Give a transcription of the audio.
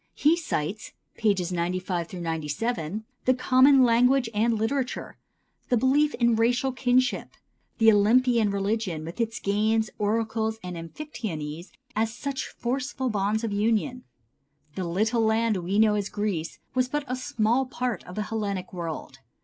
He cites (pp. 95 97) the common language and literature; the belief in racial kinship; the Olympian religion, with its games, oracles and amphictyonies, as such forceful bonds of union. The little land we know as Greece was but a small part of the Hellenic world.